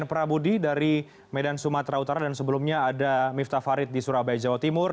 prabudi dari medan sumatera utara dan sebelumnya ada miftah farid di surabaya jawa timur